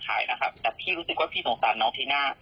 แต่พี่รู้สึกว่าพี่สงสารน้องที่หน้า